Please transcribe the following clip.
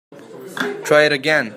Try it again.